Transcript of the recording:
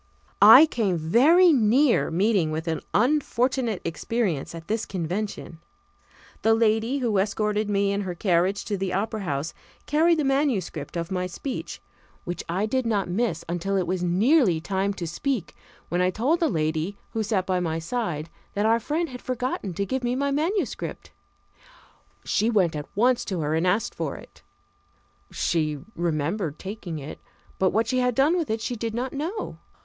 I came very near meeting with an unfortunate experience at this convention. The lady who escorted me in her carriage to the Opera House carried the manuscript of my speech, which I did not miss until it was nearly time to speak, when I told a lady who sat by my side that our friend had forgotten to give me my manuscript. She went at once to her and asked for it. She remembered taking it, but what she had done with it she did not know.